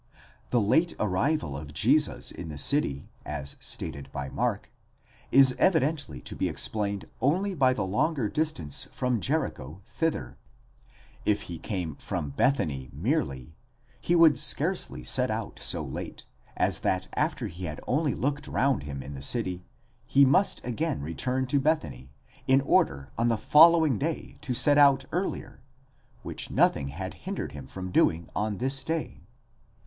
The late arrival of Jesus in the city, as stated by Mark, is evi dently to be explained only by the longer distance from Jericho thither ; if he came from Bethany merely, he would scarcely set out so late, as that after he had only looked round him in the city, he must again return to Bethany, in order on the following day to set out earlier, which nothing had hindered him from doing on this day.